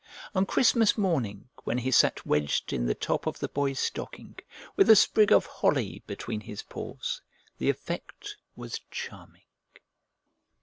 On Christmas morning, when he sat wedged in the top of the Boy's stocking, with a sprig of holly between his paws, the effect was charming.